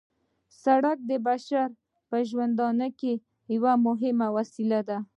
سرک د بشر په ژوندانه کې یوه مهمه وسیله ده